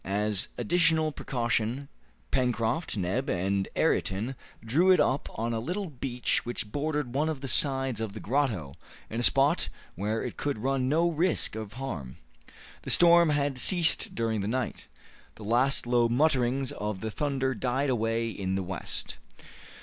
As additional precaution, Pencroft, Neb, and Ayrton drew it up on a little beach which bordered one of the sides of the grotto, in a spot where it could run no risk of harm. The storm had ceased during the night. The last low mutterings of the thunder died away in the west.